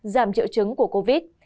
giảm triệu chứng của covid